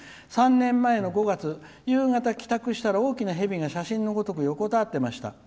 ３年前の５月夕方、帰宅したら大きな蛇が写真のごとく横たわっていました。